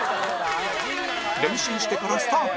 練習してからスタート